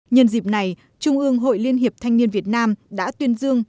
nhân dịp này trung ương hội liên hiệp thanh niên việt nam đã tuyên dương